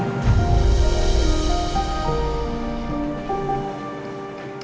aku cemburu bas